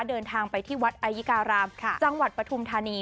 เดินทางไปที่วัดอายิการามจังหวัดปฐุมธานี